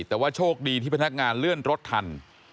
แต่ว่าโชคดีที่พนักงานเลื่อนรถทัน